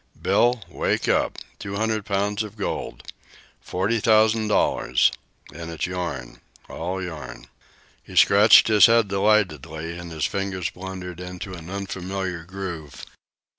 Bill! Wake up! Two hundred pounds of gold! Forty thousand dollars! An' it's yourn all yourn!" He scratched his head delightedly and his fingers blundered into an unfamiliar groove.